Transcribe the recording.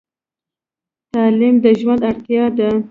تعلیم د ژوند اړتیا ده.